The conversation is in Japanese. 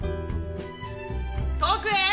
『遠くへ』。